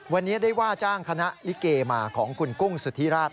วันนี้ได้ว่าจ้างคณะลิเกมาของคุณกุ้งสุธิราช